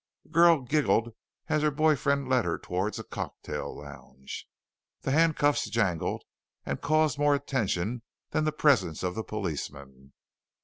A girl giggled as her boy friend led her towards a cocktail lounge. The handcuffs jangled and caused more attention than the presence of the policeman.